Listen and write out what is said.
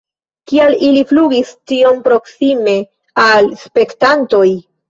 Kial ili flugis tiom proksime al spektantoj?